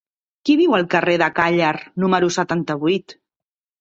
Qui viu al carrer de Càller número setanta-vuit?